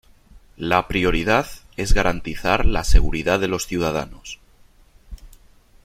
La prioridad es garantizar la seguridad de los ciudadanos.